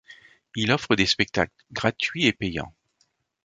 Il offre des spectacles gratuits et payants.